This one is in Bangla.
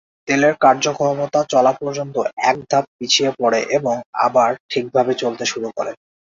তেলের কার্যক্ষমতা চলা পর্যন্ত এক ধাপ পিছিয়ে পড়ে এবং আবার ঠিকভাবে চলতে শুরু করে।